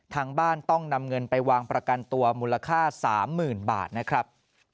ทางบ้านต้องนำเงินไปวางประกันตัวมูลค่า๓๐๐๐บาทนะครับ